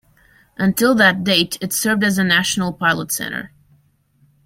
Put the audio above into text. Until that date, it served as a national pilot center.